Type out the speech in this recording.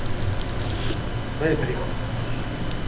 ¡Vaia perigo!